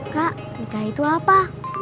kak nikah itu apa